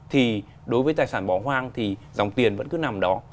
thì đối với tài sản bỏ hoang thì dòng tiền vẫn cứ nằm đó